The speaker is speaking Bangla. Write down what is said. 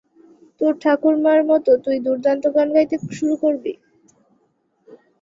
তোর ঠাকুরমার মতো তুই দুর্দান্ত গান গাইতে শুরু করবি।